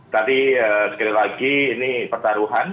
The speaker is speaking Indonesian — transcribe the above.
tapi sekali lagi ini pertaruhan